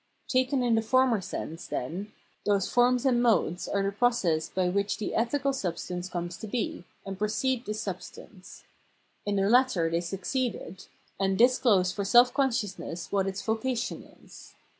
Taken in the former sense, then, those forms and modes are the process by which the ethical substance comes to be, and precede this substance : in the latter they succeed it, and disclose for self consciousness what its vocation is.